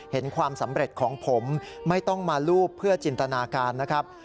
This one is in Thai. เห็นความสำเร็จของผมไม่ต้องมารูปเพื่อจินตนาการนะครับ